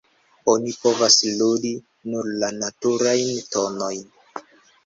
Oni povas ludi nur la naturajn tonojn.